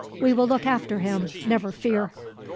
"We will look after him, never fear."